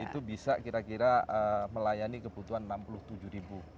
itu bisa kira kira melayani kebutuhan enam puluh tujuh ribu